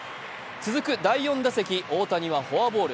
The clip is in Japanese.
続く第４打席、大谷はフォアボール。